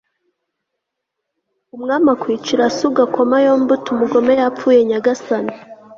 umwami akwicira so ugakoma yombi uti umugome yapfuye nyagasani